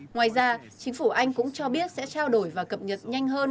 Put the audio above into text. ngoài ra chính phủ anh cũng cho biết sẽ trao đổi và cập nhật nhanh hơn